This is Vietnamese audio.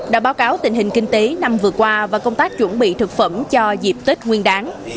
đã báo cáo tình hình kinh tế năm vừa qua và công tác chuẩn bị thực phẩm cho dịp tết nguyên đáng